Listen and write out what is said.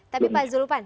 tapi pak zulupan